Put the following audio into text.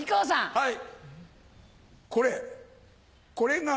はい。